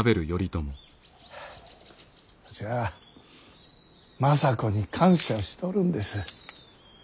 わしは政子に感謝しとるんです。